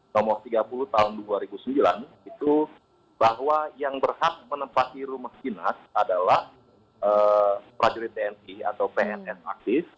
nomor tiga puluh tahun dua ribu sembilan itu bahwa yang berhak menempati rumah dinas adalah prajurit tni atau pns aktif